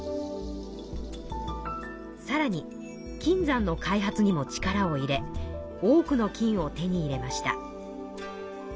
さらに金山の開発にも力を入れ多くの金を手に入れました。